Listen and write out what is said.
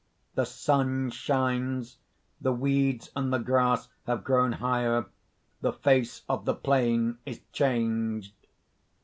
_ _The sun shines; the weeds and the grass have grown higher; the face of the plain is changed.